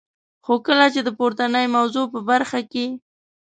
خو کله چي د پورتنی موضوع په برخه کي.